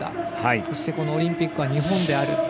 そしてオリンピックは日本である。